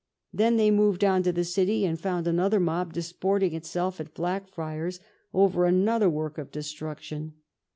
Then they moved on to the City and found another mob dis porting itself at Blackfriars over another work of de struction.